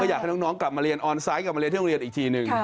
อยากให้น้องกลับมาเรียนออนไซต์กลับมาเรียนที่โรงเรียนอีกทีหนึ่ง